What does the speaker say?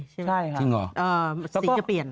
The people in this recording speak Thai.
ใช่ค่ะสิ่งจะเปลี่ยน